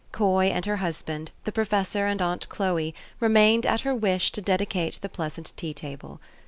Coy and her husband, the professor and aunt Chloe, remained, at her wish, to dedicate the pleasant tea table.